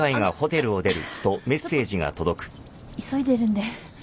急いでるんで。